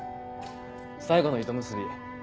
最後の糸結び